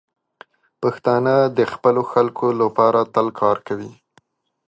پښتانه د خپلو خلکو لپاره تل کار کوي.